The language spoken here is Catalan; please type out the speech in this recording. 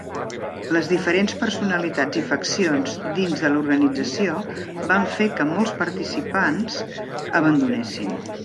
Les diferents personalitats i faccions dins de l"organització van fer que molts participants abandonessin.